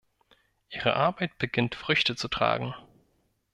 Ihre Arbeit beginnt Früchte zu tragen.